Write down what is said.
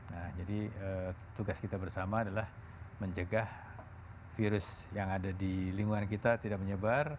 nah jadi tugas kita bersama adalah mencegah virus yang ada di lingkungan kita tidak menyebar